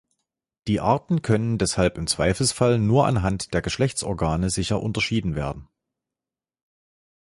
Die Arten können deshalb im Zweifelsfall nur anhand der Geschlechtsorgane sicher unterschieden werden.